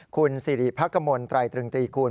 คุณสิริพักกมลไตรตรึงตรีคุณ